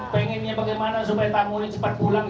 pengennya bagaimana supaya tamu ini cepat pulang